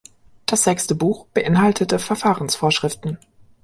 Das Sechste Buch beinhaltete Verfahrensvorschriften.